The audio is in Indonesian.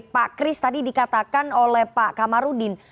pak kris tadi dikatakan oleh pak kamarudin